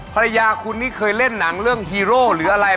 ภรรยาคุณนี่เคยเล่นหนังเรื่องฮีโร่หรืออะไร